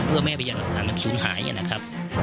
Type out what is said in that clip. เพื่อไม่ให้พญานหลักษณะมันสูญหายได้นะครับ